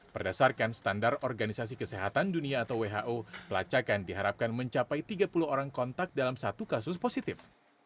berdasarkan standar organisasi kesehatan dunia atau who pelacakan diharapkan mencapai tiga puluh orang kontak dalam satu kasus positif